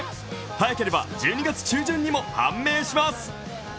早ければ１２月中旬にも判明します。